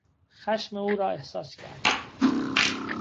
خشم او را احساس کردم.